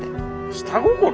下心！？